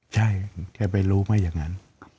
ใช่จะไปรู้ไม่อย่างนั้น